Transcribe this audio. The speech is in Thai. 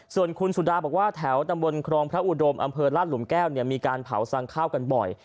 ส่วนคุณสุดาบอกว่าแถวตำบลครองพระอุดมอำเภอราชหลุมแก้วมีการเผาสั่งข้าวกันบ่อย